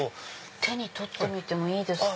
手に取ってみてもいいですか？